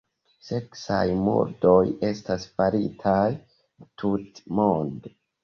Seksaj murdoj estas faritaj tutmonde.